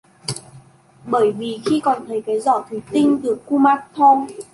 Bởi vì khi còn thấy cái giỏ thủy tinh được kumanthông